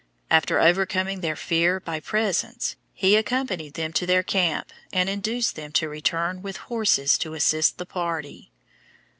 After overcoming their fear by presents, he accompanied them to their camp and induced them to return with horses to assist the party.